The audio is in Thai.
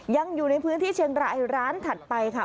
ยังอยู่ในพื้นที่เชียงรายร้านถัดไปค่ะ